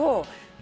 何？